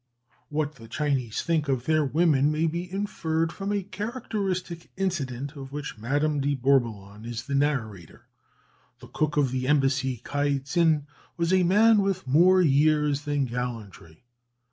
What the Chinese think of their women may be inferred from a characteristic incident, of which Madame de Bourboulon is the narrator. The cook of the embassy, Ky tsin, was a man with more years than gallantry.